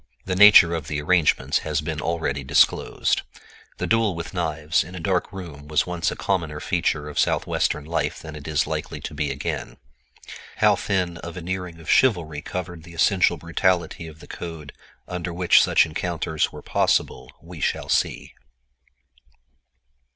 The nature of the arrangements has been already disclosed. The duel with knives in a dark room was once a commoner feature of Southwestern life than it is likely to be again. How thin a veneering of "chivalry" covered the essential brutality of the code under which such encounters were possible we shall see.